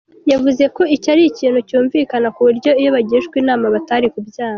Yavuze ko icyo ari ikintu cyumvikana ku buryo iyo bagishwa inama batari kubyanga.